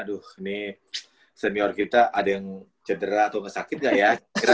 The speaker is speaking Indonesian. aduh ini senior kita ada yang cedera atau sakit gak ya